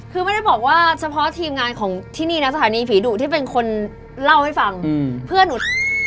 คือไม่ได้บอกว่าเฉพาะทีมงานของที่นี่นะสถานีผีดุที่เป็นคนเล่าให้ฟังเพื่อนหนู